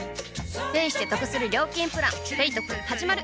ペイしてトクする料金プラン「ペイトク」始まる！